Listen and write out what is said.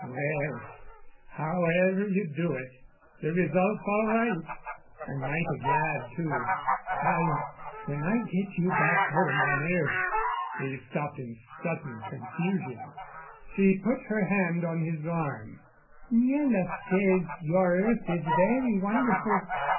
"Well, however you do it, the result's all right. I'm mighty glad, too. Why, when I get you back home on earth " He stopped in sudden confusion. She put her hand on his arm. "Miela says your earth is very wonderful.